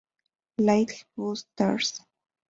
Little Busters!